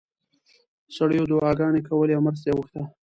سړیو دعاګانې کولې او مرسته یې غوښته.